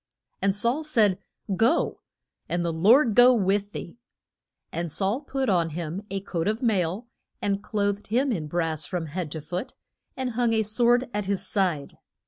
And Saul said, Go, and the Lord go with thee. And Saul put on him a coat of mail, and clothed him in brass from head to foot, and hung a sword at his side.